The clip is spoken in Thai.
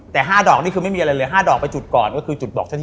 แต่ห้าดอกนี่คือไม่มีอะไรเหลือ